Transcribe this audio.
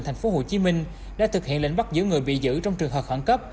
thành phố hồ chí minh đã thực hiện lệnh bắt giữ người bị giữ trong trường hợp khẩn cấp